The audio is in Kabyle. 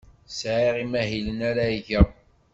Sɛiɣ imahilen ara geɣ.